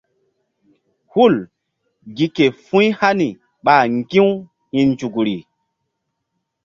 Hul gi ke fu̧y hani ɓa ŋgi̧-u hi̧ nzukri.